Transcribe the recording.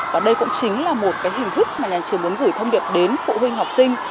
và đây cũng chính là một cái hình thức mà nhà trường muốn gửi thông điệp đến phụ huynh học sinh